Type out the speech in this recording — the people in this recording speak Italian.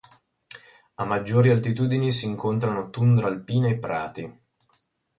A maggiori altitudini si incontrano tundra alpina e prati.